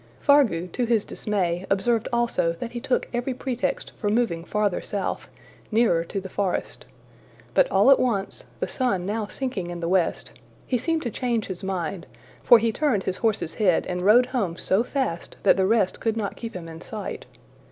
Fargu to his dismay observed also that he took every pretext for moving farther south, nearer to the forest. But all at once, the sun now sinking in the west, he seemed to change his mind, for he turned his horse's head and rode home so fast that the rest could not keep him in sight.